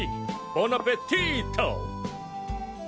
ボナペティート！